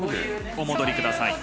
お戻りください。